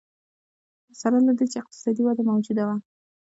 سره له دې چې اقتصادي وده موجوده وه.